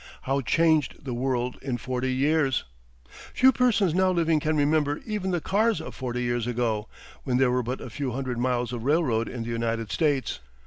How changed the world in forty years! Few persons now living can remember even the cars of forty years ago, when there were but a few hundred miles of railroad in the United States.